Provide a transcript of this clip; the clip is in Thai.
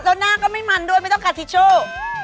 แล้วหน้าก็ไม่มันด้วยไม่ต้องการทิชชู่